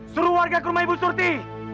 suruh warga ke rumah ibu surti